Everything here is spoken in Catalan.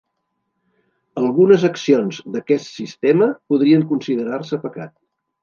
Algunes accions d'aquest sistema podrien considerar-se pecat.